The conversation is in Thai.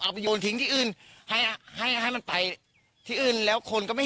ไปโยนทิ้งที่อื่นให้ให้ให้มันไปที่อื่นแล้วคนก็ไม่